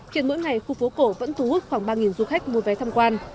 khiến mỗi ngày khu phố cổ vẫn thu hút khoảng ba du khách mua vé tham quan